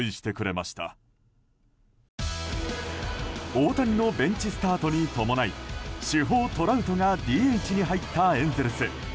大谷のベンチスタートに伴い主砲トラウトがＤＨに入ったエンゼルス。